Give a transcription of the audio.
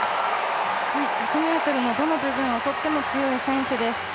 １００ｍのどの部分を取っても強い選手です。